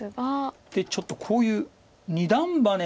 ちょっとこういう二段バネの筋が。